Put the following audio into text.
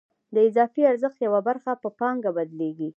د اضافي ارزښت یوه برخه په پانګه بدلېږي